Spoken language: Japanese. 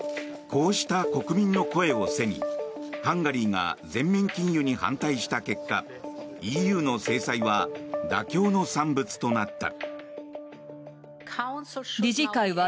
こうした国民の声を背にハンガリーが全面禁輸に反対した結果ＥＵの制裁は妥協の産物となった。